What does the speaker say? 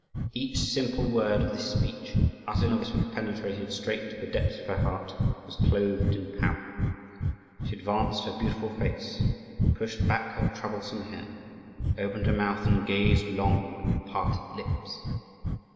Each simple word of this speech, uttered in a voice which penetrated straight to the depths of her heart, was clothed in power. She advanced her beautiful face, pushed back her troublesome hair, opened her mouth, and gazed long, with parted lips.